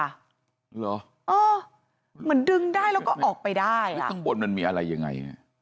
เหรอมันดึงได้แล้วก็ออกไปได้ทางบนมันมีอะไรยังไง